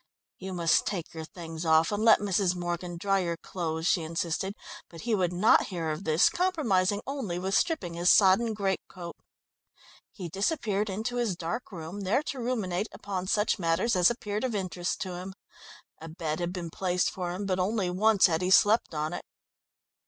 "You must take your things off and let Mrs. Morgan dry your clothes," she insisted, but he would not hear of this, compromising only with stripping his sodden great coat. He disappeared into his dark room, there to ruminate upon such matters as appeared of interest to him. A bed had been placed for him, but only once had he slept on it.